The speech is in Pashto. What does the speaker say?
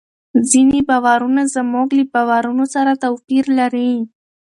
ځینې باورونه زموږ له باورونو سره توپیر لري.